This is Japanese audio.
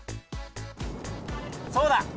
そうだ！